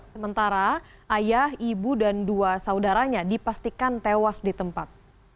sementara ayah ibu dan dua saudaranya dipastikan tewas di tempat